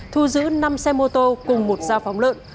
thu giữ năm xe mô tô cùng một gia phóng lợn